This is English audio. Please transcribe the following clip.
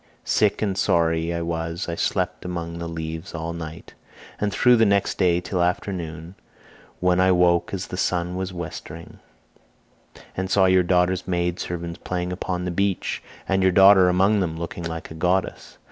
Sick and sorry as I was I slept among the leaves all night, and through the next day till afternoon, when I woke as the sun was westering, and saw your daughter's maid servants playing upon the beach, and your daughter among them looking like a goddess.